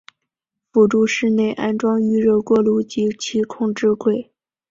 辅助室内安装预热锅炉及其控制柜。